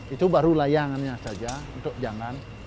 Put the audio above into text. itu baru layangannya saja untuk jangan